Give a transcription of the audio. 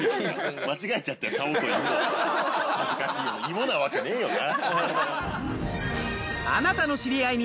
芋なわけねえよな。